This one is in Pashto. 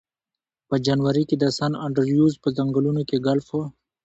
په جنوري کې د سن انډریوز په ځنګلونو کې ګلف و